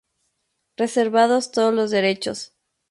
Reservados todos los derechos.